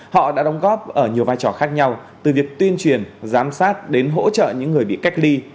họ đã đóng góp ở nhiều vai trò khác nhau từ việc tuyên truyền giám sát đến hỗ trợ những người bị cách ly